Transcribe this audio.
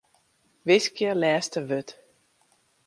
Wiskje lêste wurd.